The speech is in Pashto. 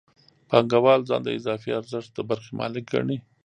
پانګوال ځان د اضافي ارزښت د برخې مالک ګڼي